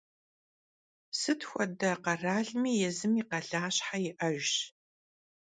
Sıt xuede kheralmi yêzım yi khalaşhe yi'ejjş.